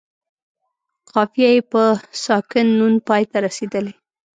قافیه یې په ساکن نون پای ته رسیدلې.